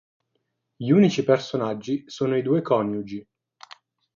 Gli unici personaggi sono i due coniugi.